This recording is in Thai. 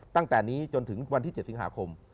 ตั้งแต่นี้จนถึงวันที่๗สิงหาคม